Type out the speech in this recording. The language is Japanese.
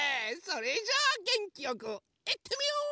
それじゃあげんきよくいってみよう！